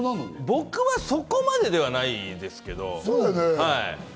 僕はそこまでではないですけど。